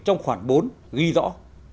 trong khoảng bốn ghi rõ